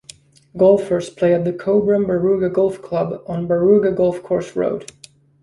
Golfers play at the Cobram Barooga Golf Club on Barooga Golf Course Road.